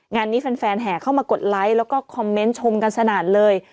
งานนี้แฟนแห่เข้ามากดไลค์แล้วก็คอมเมนต์ชมกันสนั่นเลย